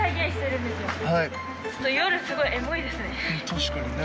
・確かにね。